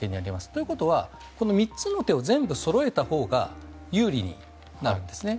ということは、この３つの手を全てそろえたほうが有利になるんですね。